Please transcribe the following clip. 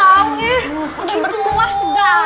tau nih berpuas ga